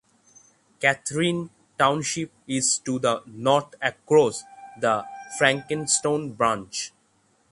Catharine Township is to the north across the Frankstown Branch.